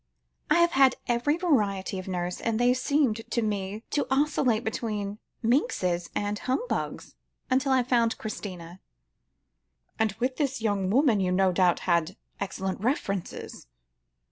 I have had every variety of nurse, and they seemed to me to oscillate between minxes and humbugs, until I found Christina." "And with this young woman you no doubt had excellent references?"